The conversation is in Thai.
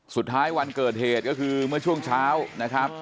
วันเกิดเหตุก็คือเมื่อช่วงเช้านะครับ